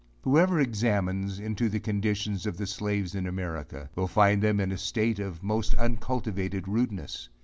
Whoever examines into the conditions of the slaves in America will find them in a state of the most uncultivated rudeness.